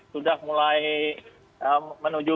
sudah mulai menuju